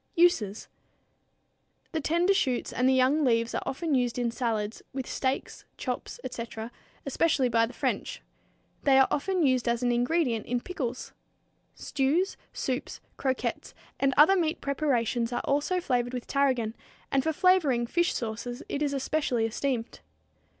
Uses. The tender shoots and the young leaves are often used in salads, and with steaks, chops, etc., especially by the French. They are often used as an ingredient in pickles. Stews, soups, croquettes, and other meat preparations are also flavored with tarragon, and for flavoring fish sauces it is especially esteemed.